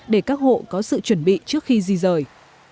để các hộ có sự chuẩn bị trước khi di rời